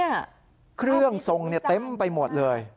เครื่องทรงเนี่ยเต็มไปหมดเลย